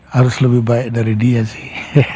harus lebih baik dari dia sih